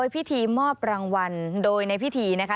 พิธีมอบรางวัลโดยในพิธีนะคะ